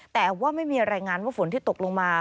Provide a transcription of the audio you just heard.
แต่ว่าไม่มีรายงานว่าฝนที่ตกลงมา